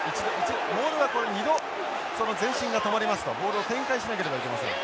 モールはこれ２度前進が止まりますとボールを展開しなければいけません。